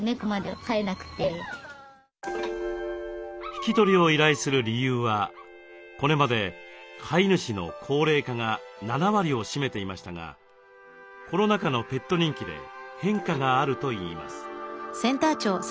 引き取りを依頼する理由はこれまで飼い主の高齢化が７割を占めていましたがコロナ禍のペット人気で変化があるといいます。